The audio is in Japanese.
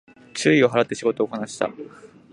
注意を払って仕事をこなしていた